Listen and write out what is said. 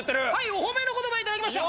お褒めの言葉いただきやした！